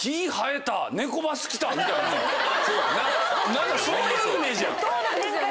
何かそういうイメージやん。